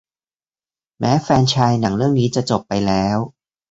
แม้แฟรนไชส์หนังเรื่องนี้จะจบไปแล้ว